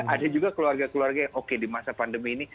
ada juga keluarga keluarga yang oke di masa pandemi ini